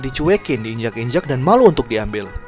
dicuekin diinjak injak dan malu untuk diambil